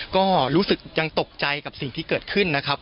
ก็รู้สึกยังตกใจกับสิ่งที่เกิดขึ้นนะครับ